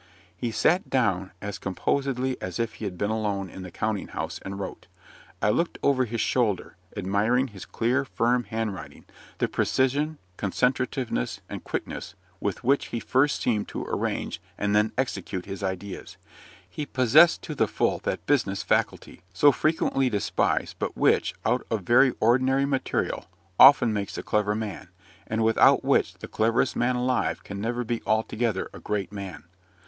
He sat down as composedly as if he had been alone in the counting house, and wrote. I looked over his shoulder, admiring his clear, firm hand writing; the precision, concentrativeness, and quickness, with which he first seemed to arrange and then execute his ideas. He possessed to the full that "business" faculty, so frequently despised, but which, out of very ordinary material, often makes a clever man; and without which the cleverest man alive can never be altogether a great man.